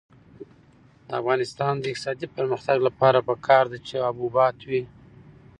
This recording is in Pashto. د افغانستان د اقتصادي پرمختګ لپاره پکار ده چې حبوبات وي.